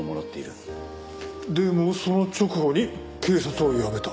でもその直後に警察を辞めた。